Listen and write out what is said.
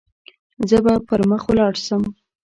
زه به پر مخ ولاړ شم.